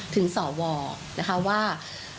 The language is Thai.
ถึงสวว่า